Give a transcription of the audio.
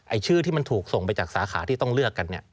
ชื่อที่มันถูกส่งไปจากสาขาที่ต้องเลือกกันเนี่ย